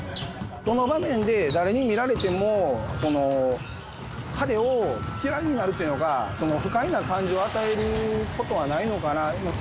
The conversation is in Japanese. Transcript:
どの場面で誰に見られても、彼を嫌いになるというのか、不快な感じを与えることはないのかなって。